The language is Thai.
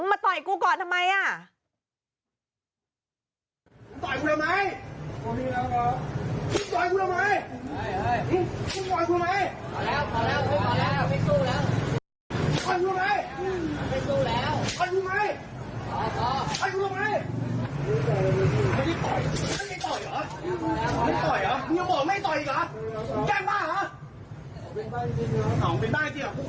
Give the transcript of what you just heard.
มึงมาต่อยกูก่อนทำไมอ่ะ